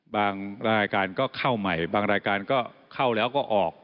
รายการก็เข้าใหม่บางรายการก็เข้าแล้วก็ออก